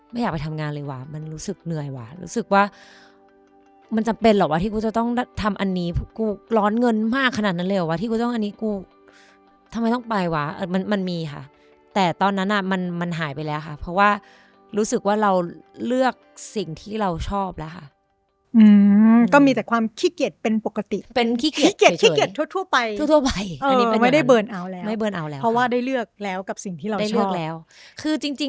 ไม่อยากไปทำงานเลยว่ะมันรู้สึกเหนื่อยว่ะรู้สึกว่ามันจำเป็นหรอกว่าที่กูจะต้องทำอันนี้กูร้อนเงินมากขนาดนั้นเลยหรือว่าที่กูจะต้องทำอันนี้กูทำไมต้องไปว่ะมันมีค่ะแต่ตอนนั้นมันหายไปแล้วค่ะเพราะว่ารู้สึกว่าเราเลือกสิ่งที่เราชอบแล้วค่ะก็มีแต่ความขี้เกียจเป็นปกติขี้เกียจขี้เกียจทั่วไปไม่ได้เบิ